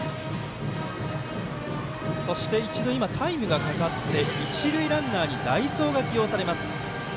一度、タイムがかかって一塁ランナーに代走が起用されます。